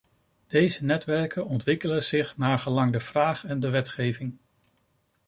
Deze netwerken ontwikkelen zich naargelang de vraag en de wetgeving.